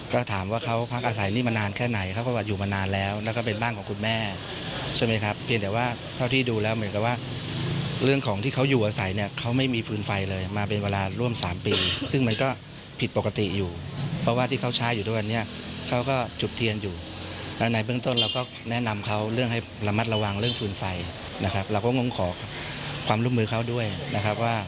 เราก็งงขอความร่วมมือเข้าด้วยนะครับ